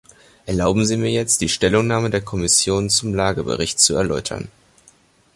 Erlauben Sie mir jetzt, die Stellungnahme der Kommission zum Lange-Bericht zu erläutern.